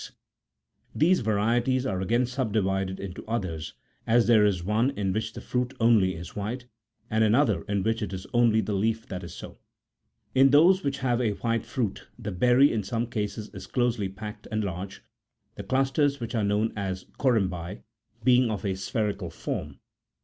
10 These varieties are again subdivided into others, _ as there is one in which the fruit only is white, and another in which it is only the leaf that is so. In those which have a white fruit, the berry in some cases is closely packed and large, the clusters, which are known as " corymbi," being of a spherical form.